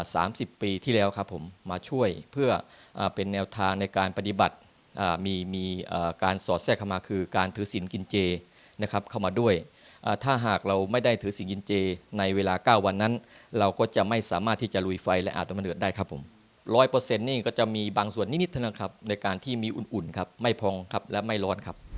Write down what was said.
สามสิบปีที่แล้วครับผมมาช่วยเพื่ออ่าเป็นแนวทางในการปฏิบัติอ่ามีมีการสอดแทรกเข้ามาคือการถือสินกินเจนะครับเข้ามาด้วยอ่าถ้าหากเราไม่ได้ถือสินกินเจในเวลาเก้าวันนั้นเราก็จะไม่สามารถที่จะลุยไฟและอาจน้ำมันเดือดได้ครับผมร้อยเปอร์เซ็นต์นี่ก็จะมีบางส่วนนิดนิดเท่านั้นครับในการที่มีอุ่นอุ่นครับไม่พองครับและไม่ร้อนครับ